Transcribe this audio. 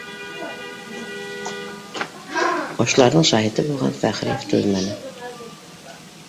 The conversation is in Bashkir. Ошоларҙың шаһиты булған Фәхриев түҙмәне: